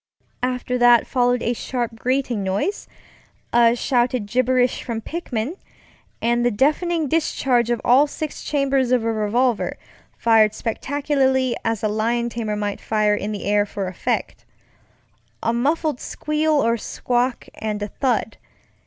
After that followed a sharp grating noise, a shouted gibberish from Pickman, and the deafening discharge of all six chambers of a revolver, fired spectacularly as a lion tamer might fire in the air for effect. A muffled squeal or squawk, and a thud.